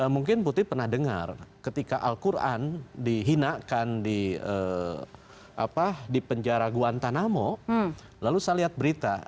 mungkin putri pernah dengar ketika al quran dihinakan di penjara guantanamo lalu saya lihat berita